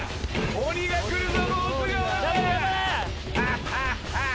鬼が来たぞ！